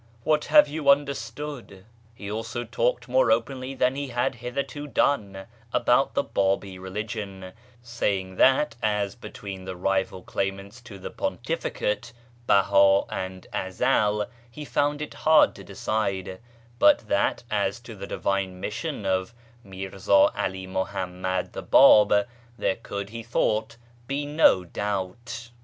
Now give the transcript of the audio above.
what liave you understood ?" He also talked more openly than he had hitherto done about the Babi religion, saying that as Ijetween the rival claimants to the pontificate, Beha and Ezel, he found it hard to decide, but that as to the divine mission ■')f Mirza 'Ali Muhammad, the Bab, there could, he thought, be no doubt.